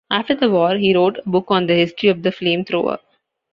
After the war, he wrote a book on the history of the flamethrower.